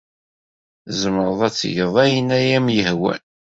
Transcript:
Tzemreḍ ad tgeḍ ayen ay am-yehwan.